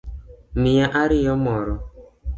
Miya ariyo moro